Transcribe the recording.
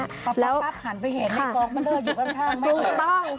ปั๊บหันไปเห็นในกล้องมันเริ่มอยู่ข้างมาก